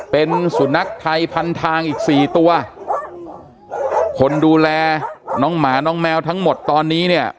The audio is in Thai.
เป็นสุนัขไทยพันทางอีกสี่ตัวคนดูแลน้องหมาน้องแมวทั้งหมดตอนนี้เนี่ย